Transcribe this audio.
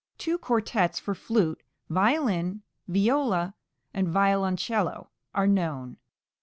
Two quartets for flute, violin, viola, and violoncello are known.